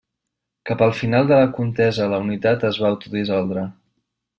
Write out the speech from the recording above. Cap al final de la contesa la unitat es va autodissoldre.